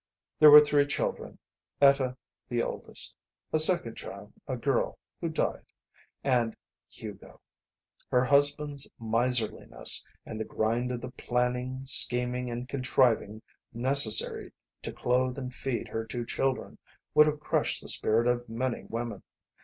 There were three children: Etta, the oldest; a second child, a girl, who died; and Hugo. Her husband's miserliness, and the grind of the planning, scheming, and contriving necessary to clothe and feed her two children would have crushed the spirit of many women.